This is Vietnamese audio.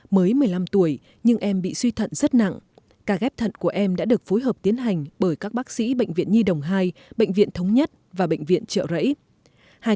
mới một mươi năm tuổi nhưng em bị suy thận rất nặng ca ghép thận của em đã được phối hợp tiến hành bởi các bác sĩ bệnh viện nhi đồng hai bệnh viện thống nhất và bệnh viện trợ rẫy